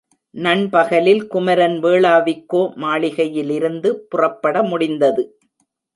நண்பகலில் குமரன் வேளாவிக்கோ மாளிகையிலிருந்து புறப்பட முடிந்தது.